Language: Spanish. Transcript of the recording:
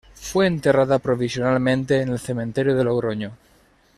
Fue enterrada provisionalmente en el cementerio de Logroño.